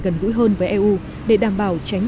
gần gũi hơn với eu để đảm bảo tránh